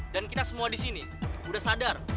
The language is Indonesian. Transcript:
dan kita semua di sini udah sadar